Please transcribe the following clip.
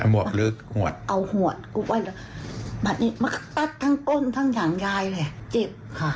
แบบนี้มันก็ตัดทั้งก้นทั้งอย่างยายแหละเจ็บค่ะ